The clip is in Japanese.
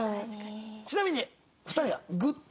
ちなみに。